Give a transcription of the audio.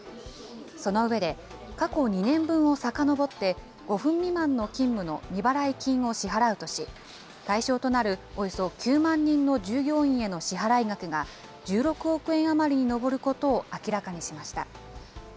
その上で、過去２年分をさかのぼって、５分未満の勤務の未払い金を支払うとし、対象となるおよそ９万人の従業員への支払い額が、１６億円余りに上ることを明らかにしました。